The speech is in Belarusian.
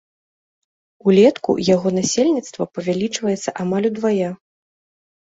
Улетку яго насельніцтва павялічваецца амаль удвая.